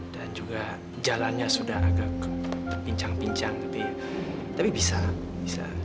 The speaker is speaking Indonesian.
dan juga jalannya sudah agak ke pincang pincang tapi tapi bisa bisa